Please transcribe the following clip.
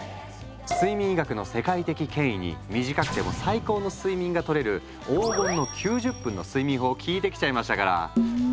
睡眠医学の世界的権威に短くても最高の睡眠がとれる「黄金の９０分」の睡眠法を聞いてきちゃいましたから。